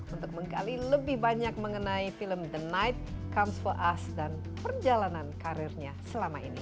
untuk menggali lebih banyak mengenai film the night comes for us dan perjalanan karirnya selama ini